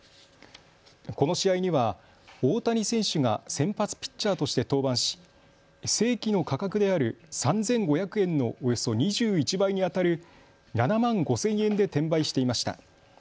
この試合には大谷選手が先発ピッチャーとして登板し正規の価格である３５００円のおよそ２１倍にあたる７万５０００円で転売していました。